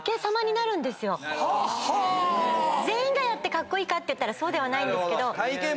全員がやってカッコイイかっていったらそうではないけど。